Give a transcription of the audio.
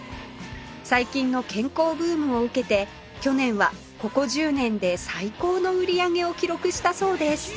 最近の健康ブームを受けて去年はここ１０年で最高の売り上げを記録したそうです